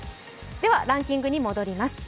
ランキングに戻ります。